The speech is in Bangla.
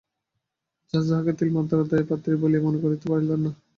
জজ তাহাকে তিলমাত্র দয়ার পাত্রী বলিয়া মনে করিতে পারিলেন না।